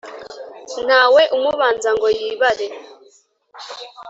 nta we umubanza ngo yibare,